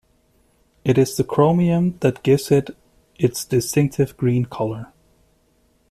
It is the chromium that gives it its distinctive green color.